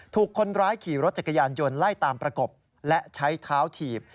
ถูกคนร้ายขี่รถจักรยานยนต์ไล่ตามประกบและใช้เท้าถีบ